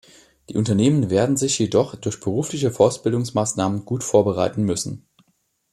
Die Unternehmen werden sich jedoch durch berufliche Fortbildungsmaßnahmen gut vorbereiten müssen.